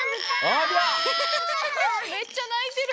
あめっちゃないてる。